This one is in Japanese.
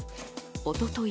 おととい